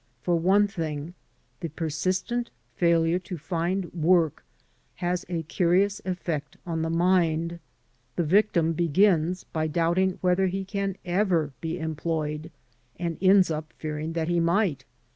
For one thing, the persistent failure to find work has a curious effect on the mind. The victim begins by doubting whether he ever can be employed and ends up by fearing that he might!